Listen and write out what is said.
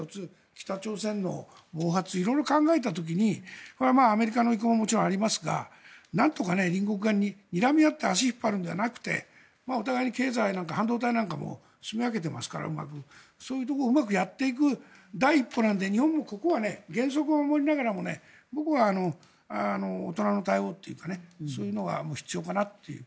北朝鮮の暴発色々考えた時にこれはアメリカの意向ももちろんありますがなんとか、隣国がにらみ合って足を引っ張るのではなくてお互いに経済なんか半導体なんかも積み上げていますからそういうところをうまくやっていく第一歩なので日本もここは原則は守りながらも僕は大人の対応というかそういうのが必要かなって。